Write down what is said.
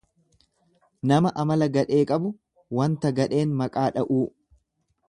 Nama amala gadhee qabu wanta gadheen maqaa dha'uu.